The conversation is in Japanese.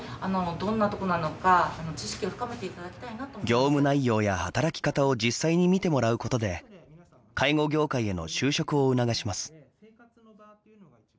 業務内容や働き方を実際に見てもらうことで介護業界への就職を促します。